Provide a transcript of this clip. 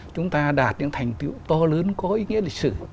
chúng ta đạt những thành tựu to lớn có ý nghĩa lịch sử